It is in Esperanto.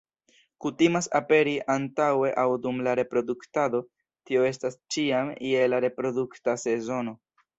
Kutimas aperi antaŭe aŭ dum la reproduktado, tio estas ĉiam je la reprodukta sezono.